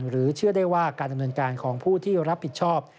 เชื่อได้ว่าการดำเนินการของผู้ที่รับผิดชอบ